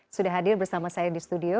sudah hadir bersama saya di studio